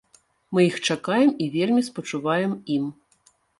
Мы іх чакаем і вельмі спачуваем ім.